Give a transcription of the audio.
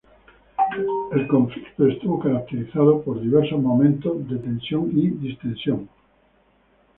El conflicto estuvo caracterizado por diversos momentos de tensión y distensión.